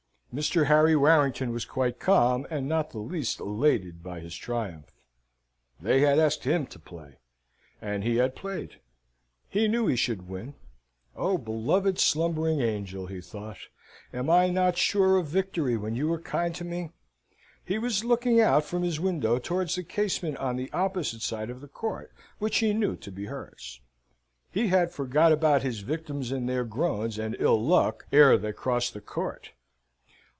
Mr. Harry Warrington was quite calm, and not the least elated by his triumph. They had asked him to play, and he had played. He knew he should win. O beloved slumbering angel! he thought, am I not sure of victory when you are kind to me? He was looking out from his window towards the casement on the opposite side of the court, which he knew to be hers. He had forgot about his victims and their groans, and ill luck, ere they crossed the court.